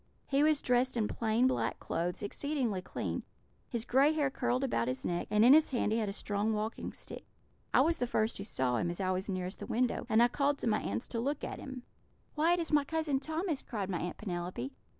He was dressed in plain black clothes, exceedingly clean; his gray hair curled about his neck, and in his hand he had a strong walking stick. I was the first who saw him, as I was nearest the window, and I called to my aunts to look at him. "'Why, it is my Cousin Thomas!' cried my Aunt Penelope.